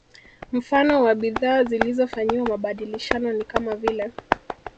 Mfano wa bidhaa zilizofanyiwa mabadilishano ni kama vile